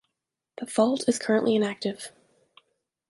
The fault is currently inactive.